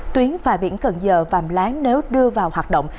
tuyến và biển cần giờ vàm láng nếu đưa vào hoạt động